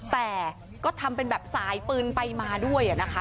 แต่ก็ทำเป็นแบบสายปืนไปมาด้วยนะคะ